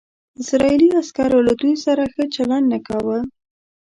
اسرائیلي عسکرو له دوی سره ښه چلند نه کاوه.